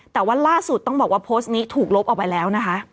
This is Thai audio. แต่ว่าล่าสุดต้องบอกว่าโพสต์นี้ถูกลบออกไปแล้วนะคะ